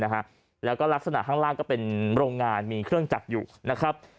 นะฮะแล้วก็ลักษณะข้างล่างก็เป็นโรงงานมีเครื่องจักรอยู่นะครับ